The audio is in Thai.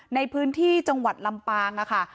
ในพื้นที่จังหวัดลำปางค่ะ